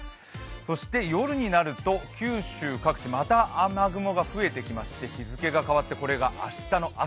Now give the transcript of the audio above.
そして、夜になると九州各地、また雨雲が増えてきまして、日付が変わって、これが明日の朝。